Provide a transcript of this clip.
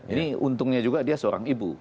ini untungnya juga dia seorang ibu